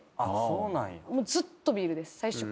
ずっとビールです。